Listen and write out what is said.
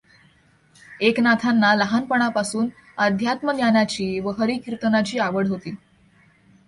एकनाथांना लहानपणापासून अध्यात्मज्ञानाची व हरिकीर्तनाची आवड होती.